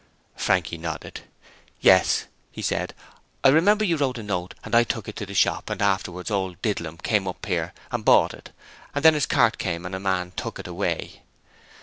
Frankie nodded. 'Yes,' he said, 'I remember you wrote a note and I took it to the shop, and afterwards old Didlum came up here and bought it, and then his cart came and a man took it away.'